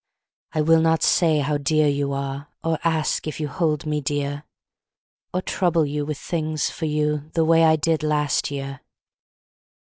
I will not say how dear you are, Or ask you if you hold me dear, Or trouble you with things for you The way I did last year.